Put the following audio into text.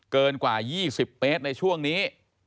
เกินกว่า๒๐เมตรในช่วงนี้